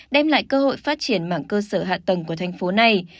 đem lại cơ hội phát triển mảng cơ sở hạ tầng của tp hcm